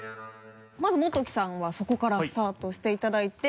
まずモトキさんはそこからスタートしていただいて。